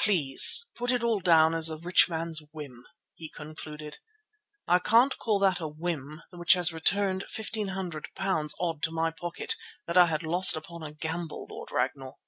"Please put it all down as a rich man's whim," he concluded. "I can't call that a whim which has returned £1,500 odd to my pocket that I had lost upon a gamble, Lord Ragnall."